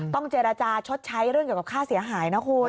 ต้องเจรจาชดใช้เรื่องเกี่ยวกับค่าเสียหายนะคุณ